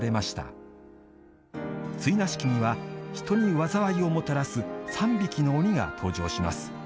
追儺式には人に禍をもたらす３匹の鬼が登場します。